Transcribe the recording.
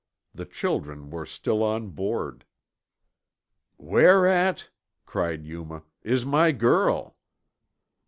The children were still on board. "Where at," cried Yuma, "is my girl?"